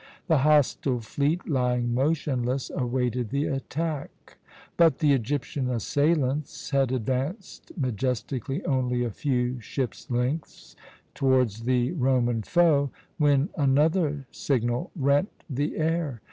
The hostile fleet, lying motionless, awaited the attack. But the Egyptian assailants had advanced majestically only a few ships lengths towards the Roman foe when another signal rent the air.